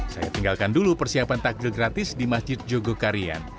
saya tinggalkan dulu persiapan takjil gratis di masjid jogokarian